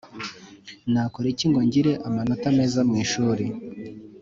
Nakora iki ngo ngire amanita meza mwishuli